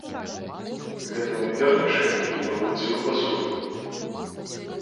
Гэтымі пернічкамі ён лудзіў пасуду.